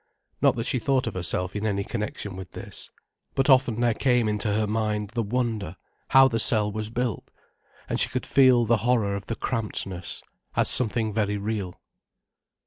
Not that she thought of herself in any connection with this. But often there came into her mind the wonder, how the cell was built, and she could feel the horror of the crampedness, as something very real.